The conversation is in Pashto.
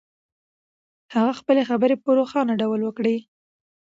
هغه خپلې خبرې په روښانه ډول وکړې.